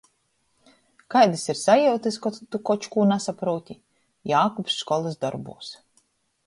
Kaidys ir sajiutys, kod tu koč kū nasaprūti? Jākubs školys dorbūs.